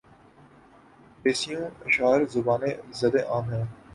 بیسیوں اشعار زبانِ زدِ عام ہیں